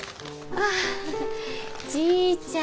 ああちぃちゃん。